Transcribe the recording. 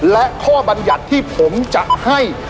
และข้อบรรยัติที่ผมจะให้